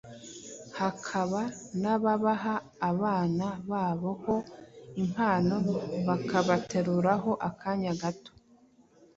hakaba n’ababaha abana babo ho impano bakabaterura akanya gato.